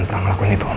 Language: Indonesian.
terima kasih pak